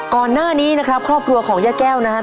ก่อนหน้านี้นะครับครอบครัวของย่าแก้วนะครับ